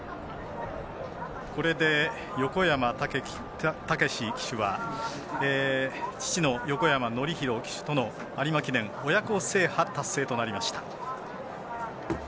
これで横山武史騎手は父の横山典弘騎手との有馬記念親子制覇達成となりました。